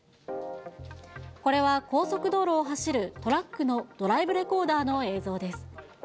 これは高速道路を走るトラックのドライブレコーダーの映像です。